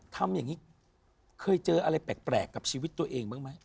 ทำอย่างนี้เคยเจออะไรแปลกกับชีวิตตัวเองบ้างไหม